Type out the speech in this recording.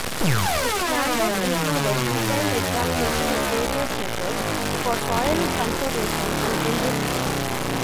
Its mandate included detailed examination of various methods for soil conservation and enrichment.